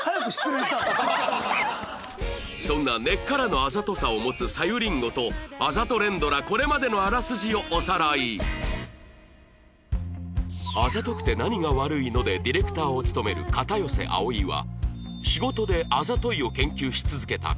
そんな根っからのあざとさを持つさゆりんごと『あざとくて何が悪いの？』でディレクターを務める片寄葵は